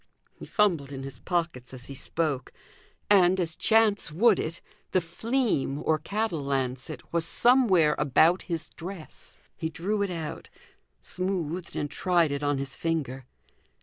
He fumbled in his pockets as he spoke, and, as chance would it, the "fleam" (or cattle lancet) was somewhere about his dress. He drew it out, smoothed and tried it on his finger.